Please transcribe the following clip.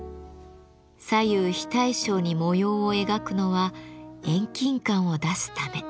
左右非対称に模様を描くのは遠近感を出すため。